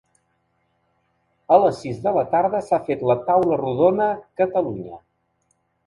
A les sis de la tarda s’ha fet la taula rodona Catalunya.